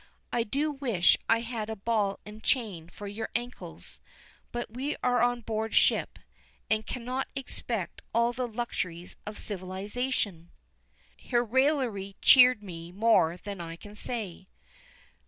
I do wish I had a ball and chain for your ankles, but we are on board ship, and cannot expect all the luxuries of civilization." Her raillery cheered me more than I can say.